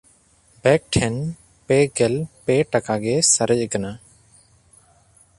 ᱵᱮᱠ ᱴᱷᱮᱱ ᱯᱮᱜᱮᱞ ᱯᱮ ᱴᱟᱠᱟ ᱜᱮ ᱥᱟᱨᱮᱡ ᱠᱟᱱᱟ᱾